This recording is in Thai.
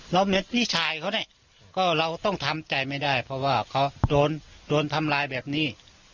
พี่ชายเขาเนี่ยก็เราต้องทำใจไม่ได้เพราะว่าเขาโดนโดนทำลายแบบนี้